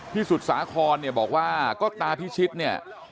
สุดสาครเนี่ยบอกว่าก็ตาพิชิตเนี่ย